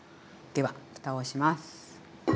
ではふたをします。